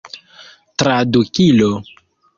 tradukilo